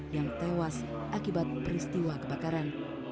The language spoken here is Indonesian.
yang tewas akibat peristiwa kebakaran